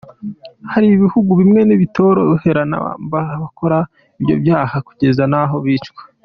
Hari ibihugu bimwe bitorohera na mba abakora ibyo byaha kugeza n’aho bicwa.